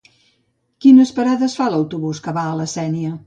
Quines parades fa l'autobús que va a la Sénia?